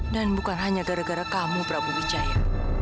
dan bukan hanya gara gara kamu prabu wijaya